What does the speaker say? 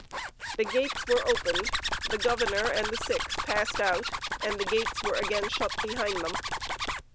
The gates were opened, the governor and the six passed out, and the gates were again shut behind them.